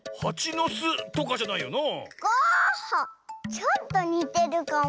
ちょっとにてるかも。